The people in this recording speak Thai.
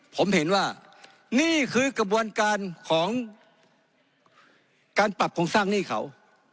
ผมเห็นว่านี่คือกระบวนการของการปรับโครงสร้างหนี้เขา